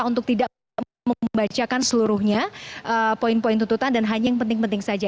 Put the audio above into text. untuk tidak membacakan seluruhnya poin poin tuntutan dan hanya yang penting penting saja